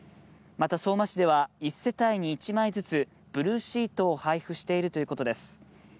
また相馬市では１世帯に１枚ずつブルーシートを配布しているということです。